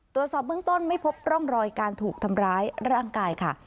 ตรวจสอบเบื้องต้นไม่พบร่องรอยการถูกทำร้ายร่างกายค่ะ